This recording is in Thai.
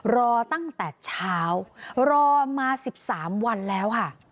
รอตั้งแต่เช้ารอมา๑๓วันแล้วค่ะ